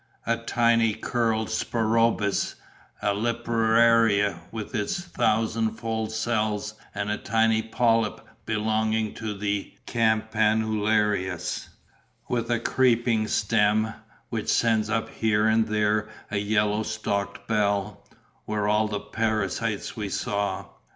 A tiny curled spirorbis, a lepraria, with its thousand fold cells, and a tiny polype belonging to the campanularias, with a creeping stem, which sends up here and there a yellow stalked bell, were all the parasites we saw.